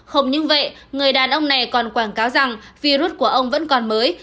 không những vậy người đàn ông này còn quảng cáo rằng virus của ông vẫn còn mới